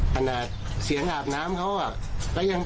แม้เสียงอาบน้ำครับ